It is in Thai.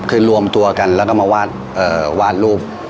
คือรวมตัวกันแล้วก็มาวาดรูป